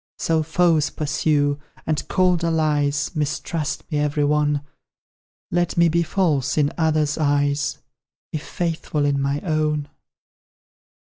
So foes pursue, and cold allies Mistrust me, every one: Let me be false in others' eyes, If faithful in my own.